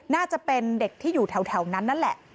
น่าจะเป็นเด็กที่อยู่แถวนั้นนั่นแหละ